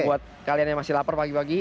buat kalian yang masih lapar pagi pagi